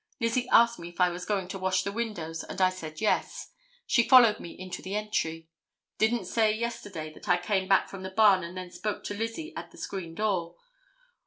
Lizzie asked me if I was going to wash the windows, and I said yes. She followed me into the entry. Didn't say yesterday that I came back from the barn and then spoke to Lizzie at the screen door.